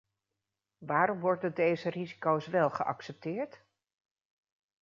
Waarom worden deze risico' s wel geaccepteerd?